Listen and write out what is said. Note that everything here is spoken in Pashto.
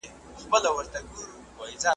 ځئ چي ځو همدا مو وار دی وخت د کار دی روانیږو ,